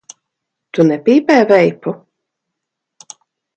Tu nepīpē veipu?